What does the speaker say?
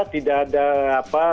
tidak ada apa